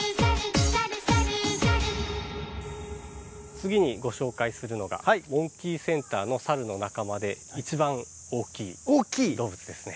次にご紹介するのがモンキーセンターのサルの仲間で一番大きい動物ですね。